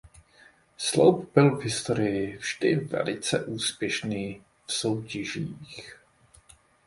Sloup byl v historii vždy velice úspěšný v soutěžích.